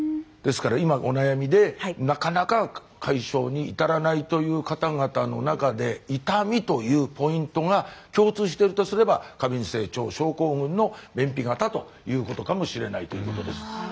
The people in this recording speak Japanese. ですから今お悩みでなかなか解消に至らないという方々の中で「痛み」というポイントが共通してるとすれば過敏性腸症候群の便秘型ということかもしれないということです。